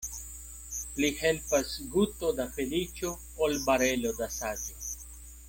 Pli helpas guto da feliĉo, ol barelo da saĝo.